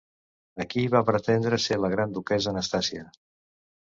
Aquí va pretendre ser la Gran duquessa Anastàsia.